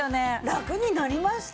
ラクになりました